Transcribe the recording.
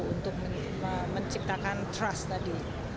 untuk menciptakan trust tadi